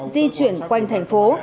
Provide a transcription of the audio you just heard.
di chuyển quanh thành phố